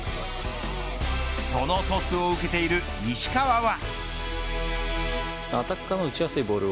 そのトスを受けている石川は。